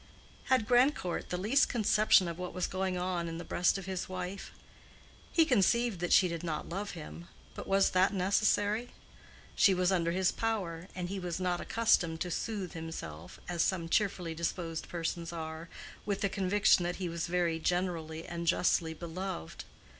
Had Grandcourt the least conception of what was going on in the breast of his wife? He conceived that she did not love him; but was that necessary? She was under his power, and he was not accustomed to soothe himself, as some cheerfully disposed persons are, with the conviction that he was very generally and justly beloved.